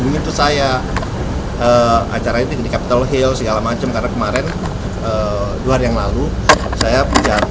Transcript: hubungan itu saya acara ini di capitol hill segala macam karena kemarin dua hari yang lalu saya punya